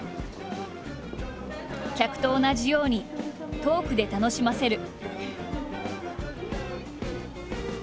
客と同じようにトークで楽しませる。